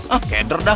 ah keder dah